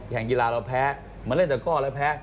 แข่งกีฬาเราแพ้เรามาเล่นจากก้อแล้วแพ้